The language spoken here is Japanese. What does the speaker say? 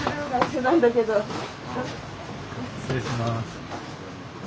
失礼します。